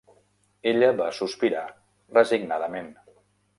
Ella va sospirar resignadament.